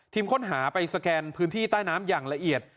ค้นหาไปสแกนพื้นที่ใต้น้ำอย่างละเอียด